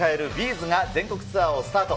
’ｚが、全国ツアーをスタート。